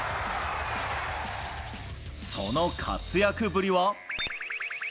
その活躍ぶりは。